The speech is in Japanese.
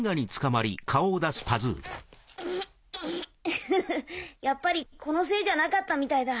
ヘヘやっぱりこのせいじゃなかったみたいだ。